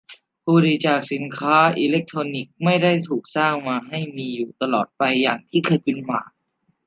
ผู้บริโภคสินค้าอิเลคโทรนิกส์ไม่ได้ถูกสร้างมาให้มีอยู่ตลอดไปอย่างที่เคยเป็นมา